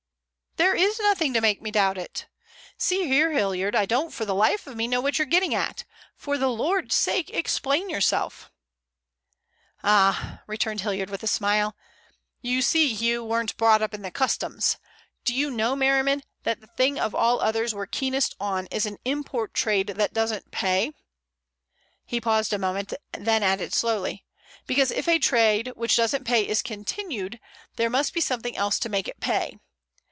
"There is nothing to make me doubt it. See here, Hilliard, I don't for the life of me know what you're getting at. For the Lord's sake explain yourself." "Ah," Hilliard returned with a smile, "you see you weren't brought up in the Customs. Do you know, Merriman, that the thing of all others we're keenest on is an import trade that doesn't pay?" He paused a moment, then added slowly: "Because if a trade which doesn't pay is continued, there must be something else to make it pay.